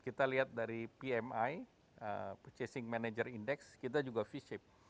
kita lihat dari pmi purchasing manager index kita juga v ship